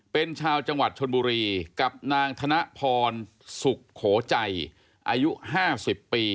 เป็นชาวจังหวัดชนบุรีกับนางธนพรสุโขใจอายุ๕๐ปี